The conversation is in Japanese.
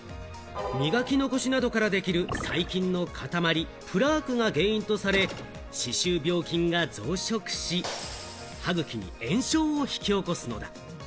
磨き残しなどからできる細菌の塊、プラークが原因とされ、歯周病菌が増殖し、歯ぐきに炎症を引き起こすのだ。